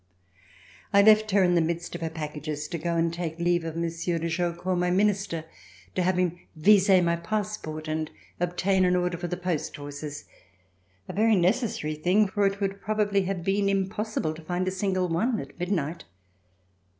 I left her in the midst of her packages to go and take leave of Monsieur de Jaucourt, my Minister, to have him vise my passport and obtain an order for the post horses, a very necessary thing, for it would probably have been impossible to find a single one at midnight.